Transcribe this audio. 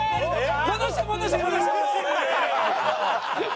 戻して戻して戻して！